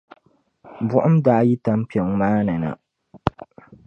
buɣim daa yi tampiŋ maa ni na.